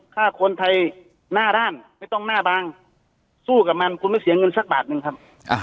ถ้าคนไทยหน้าด้านไม่ต้องหน้าบางสู้กับมันคุณไม่เสียเงินสักบาทหนึ่งครับ